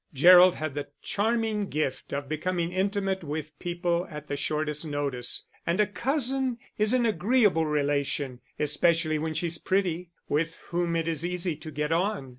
Gerald had the charming gift of becoming intimate with people at the shortest notice, and a cousin is an agreeable relation (especially when she's pretty), with whom it is easy to get on.